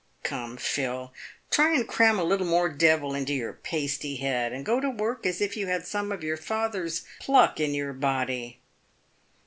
Come, Phil, try and cram a little more devil into your pasty head, and go to work as if you had some of your father's pluck in your body."